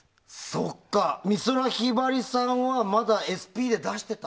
そうか、美空ひばりさんはまだＳＰで出してた。